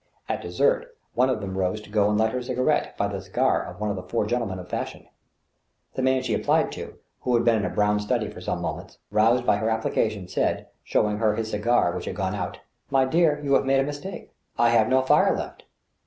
At dessert one of them rose to go and light her cigarette by the cigar of one of the four gentlemen of fashion. The man she applied to, who had been in a brown study for some minutes, roused by her application, said, showing her his cigar which had gone out :" My dear, you have made a mistake ; I have no fire left."